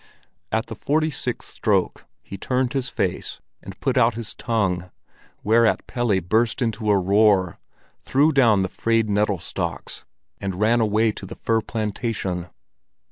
At the forty sixth stroke he turned his face and put out his tongue, whereat Pelle burst into a roar, threw down the frayed nettle stalks, and ran away to the fir plantation.